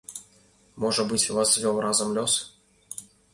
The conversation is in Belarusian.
Можа быць, вас звёў разам лёс?